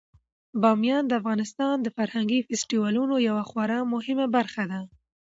بامیان د افغانستان د فرهنګي فستیوالونو یوه خورا مهمه برخه ده.